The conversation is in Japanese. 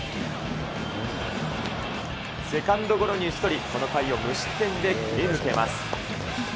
セカンドゴロに打ち取り、この回を無失点で切り抜けます。